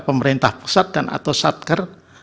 pemerintah pusat dan atau satker